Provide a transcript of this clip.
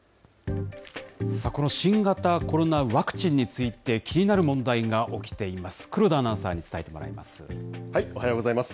この新型コロナワクチンについて、気になる問題が起きています。